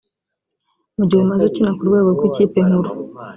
Mu gihe umaze ukina ku rwego rw’ikipe nkuru